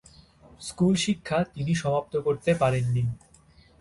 School শিক্ষা তিনি সমাপ্ত করতে পারেননি।